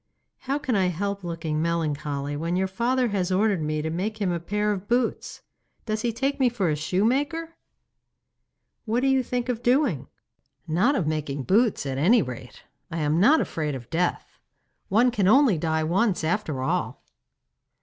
'How can I help looking melancholy when your father has ordered me to make him a pair of boots? Does he take me for a shoemaker?' 'What do you think of doing?' 'Not of making boots, at any rate! I am not afraid of death. One can only die once after all.